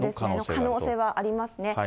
可能性ありますね。